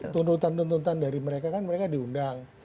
tuntutan tuntutan dari mereka kan mereka diundang